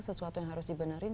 sesuatu yang harus dibenerin